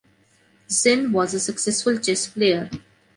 Zinn was a successful chess player.